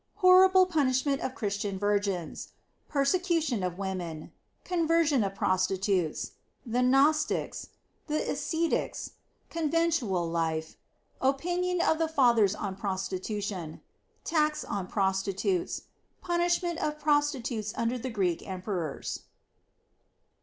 Horrible Punishment of Christian Virgins. Persecution of Women. Conversion of Prostitutes. The Gnostics. The Ascetics. Conventual Life. Opinion of the Fathers on Prostitution. Tax on Prostitutes. Punishment of Prostitutes under the Greek Emperors.